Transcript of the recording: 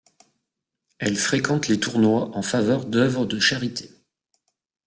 Elle fréquente les tournois en faveur d'œuvres de charité.